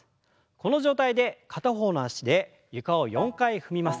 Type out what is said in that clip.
この状態で片方の脚で床を４回踏みます。